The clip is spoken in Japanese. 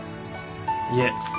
いえ。